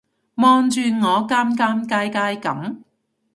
望住我尷尷尬尬噉